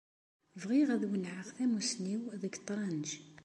Bɣiɣ ad wennεeɣ tamusni-w deg ṭṭrenǧ.